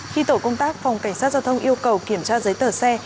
khi tổ công tác phòng cảnh sát giao thông yêu cầu kiểm tra giấy tờ xe